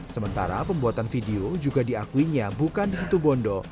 sementara pembuatan video juga diakuinya bukan di situ bondo